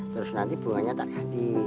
terus nanti bunganya tak ganti